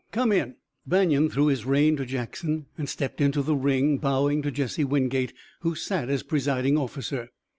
Come in." Banion threw his rein to Jackson and stepped into the ring, bowing to Jesse Wingate, who sat as presiding officer.